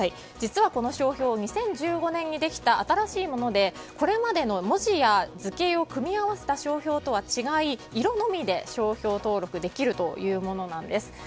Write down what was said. この商標は２０１５年にできた新しいもので、これまでの文字や図形を組み合わせた商標とは違い色のみで商標登録できるというものなんです。